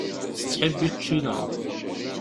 Tettḥibbi ččina.